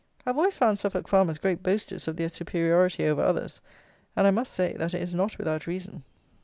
I have always found Suffolk farmers great boasters of their superiority over others; and I must say that it is not without reason.